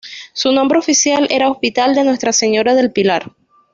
Su nombre oficial era hospital de Nuestra Señora del Pilar.